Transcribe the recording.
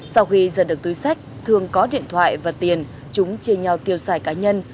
sau khi ra được túi sách thường có điện thoại và tiền chúng chia nhau tiêu xài cá nhân